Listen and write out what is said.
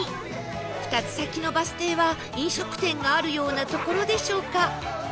２つ先のバス停は飲食店があるような所でしょうか？